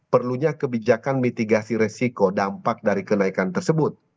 perlunya kebijakan mitigasi resiko dampak dari kenaikan tersebut